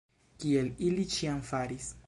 Kiel ili ĉiam faris.